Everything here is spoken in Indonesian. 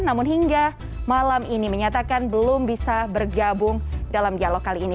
namun hingga malam ini menyatakan belum bisa bergabung dalam dialog kali ini